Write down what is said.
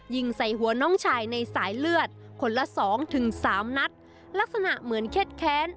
ยิงใส่หัวน้องชายในสายเลือดคนละสองถึงสามนัดลักษณะเหมือนเข็ดแค้น